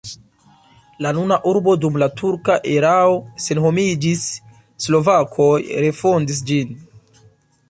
La nuna urbo dum la turka erao senhomiĝis, slovakoj refondis ĝin.